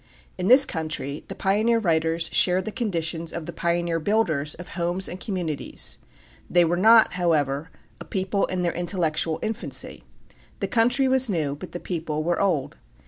In this country the pioneer writers shared the conditions of the pioneer builders of homes and communities. They were not, however, a people in their intellectual infancy. The country was new; but the people were old.